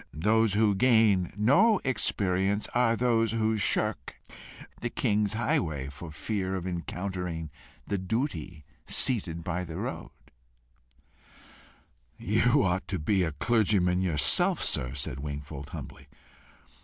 Those who gain no experience are those who shirk the king's highway, for fear of encountering the Duty seated by the roadside." "You ought to be a clergyman yourself, sir," said Wingfold, humbly.